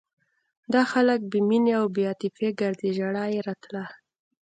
دا خلک بې مینې او بې عاطفې ګرځي ژړا یې راتله.